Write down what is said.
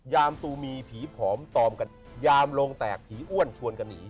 ยามตูมีผีผอมตอมกันยามโลงแตกผีอ้วนชวนกันหนี